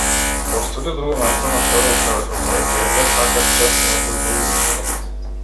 Постои ли друго место на светот кадешто поезијата е така чест мотив за убиство?